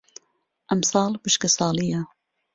ئەم ساڵ وشکە ساڵییە.